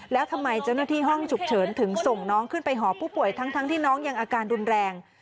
แล้วทำไมเจ้าหน้าที่ห้องฉุกเฉินถึงส่งน้องขึ้นไปหอผู้ป่วยทั้งที่น้องยังอาการรุนแรง